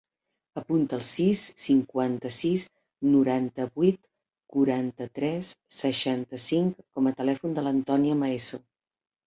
Apunta el sis, cinquanta-sis, noranta-vuit, quaranta-tres, seixanta-cinc com a telèfon de l'Antònia Maeso.